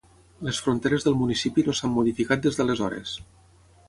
Les fronteres del municipi no s'han modificat des d'aleshores.